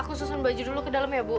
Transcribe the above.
aku susun baju dulu ke dalam ya bu